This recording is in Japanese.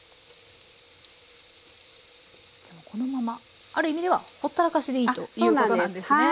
このままある意味ではほったらかしでいいということなんですね。